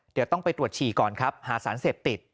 เดี๋ยวต้องไปตรวจฉี่ก่อนครับหาสารเสพติด